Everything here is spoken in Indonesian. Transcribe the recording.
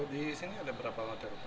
disini ada berapa hotel